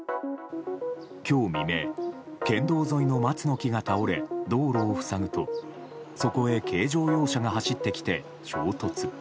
今日未明、県道沿いの松の木が倒れ道路を塞ぐとそこへ軽乗用車が走ってきて衝突。